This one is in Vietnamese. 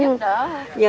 giờ cũng giúp đỡ